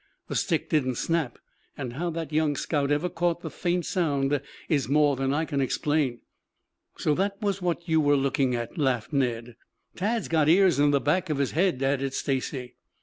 The stick didn't snap and how that young scout ever caught the faint sound is more than I can explain." "So, that was what you were looking at?" laughed Ned. "Tad's got ears in the back of his head," added Stacy.